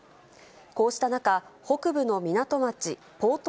こうした中、北部の港町ポート